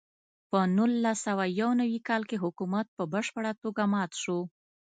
په نولس سوه یو نوي کال کې حکومت په بشپړه توګه مات شو.